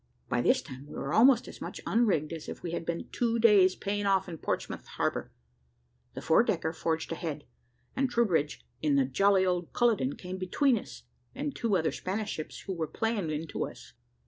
By this time we were almost as much unrigged as if we had been two days paying off in Portsmouth harbour. The four decker forged ahead, and Troubridge, in the jolly old Culloden, came between us and two other Spanish ships, who were playing into us.